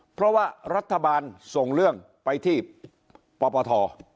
เพราะว่ารัฐบาลส่งเรื่องไปที่ปปท